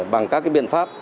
bằng các biện pháp